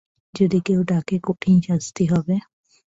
যদি কেউ ডাকে কঠিন শাস্তি হবে।